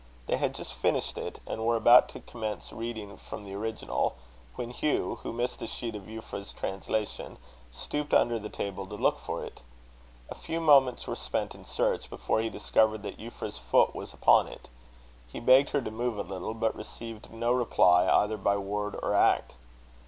They had just finished it, and were about to commence reading from the original, when Hugh, who missed a sheet of Euphra's translation, stooped under the table to look for it. A few moments were spent in the search, before he discovered that Euphra's foot was upon it. He begged her to move a little, but received no reply either by word or act.